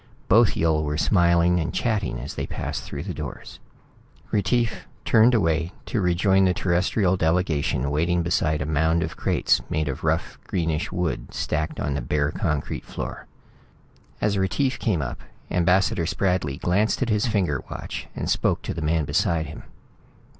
Both Yill were smiling and chatting as they passed through the doors. Retief turned away to rejoin the Terrestrial delegation waiting beside a mound of crates made of rough greenish wood stacked on the bare concrete floor. As Retief came up, Ambassador Spradley glanced at his finger watch and spoke to the man beside him.